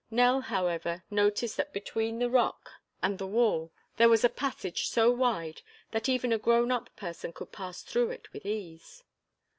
Nell, however, noticed that between the rock and the wall there was a passage so wide that even a grown up person could pass through it with ease.